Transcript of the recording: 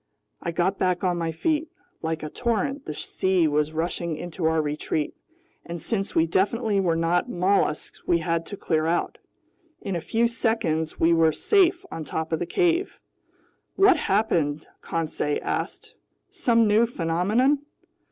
I got back on my feet. Like a torrent the sea was rushing into our retreat, and since we definitely were not mollusks, we had to clear out. In a few seconds we were safe on top of the cave. "What happened?" Conseil asked. "Some new phenomenon?"